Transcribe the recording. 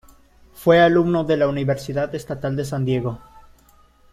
Fue alumno de la Universidad Estatal de San Diego.